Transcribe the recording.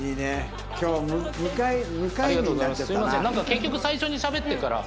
結局最初にしゃべってから。